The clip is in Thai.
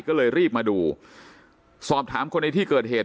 ก็เลยรีบมาดูสอบถามคนในที่เกิดเหตุ